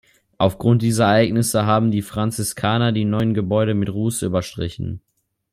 Aufgrund dieser Ereignisse haben die Franziskaner die neuen Gebäude mit Ruß überstrichen.